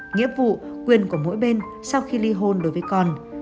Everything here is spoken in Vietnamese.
nghĩa vụ quyền của mỗi bên sau khi ly hôn đối với con